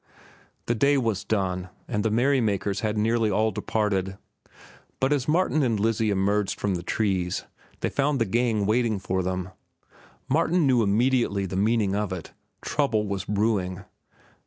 The day was done, and the merrymakers had nearly all departed. But as Martin and Lizzie emerged from the trees they found the gang waiting for them. Martin knew immediately the meaning of it. Trouble was brewing.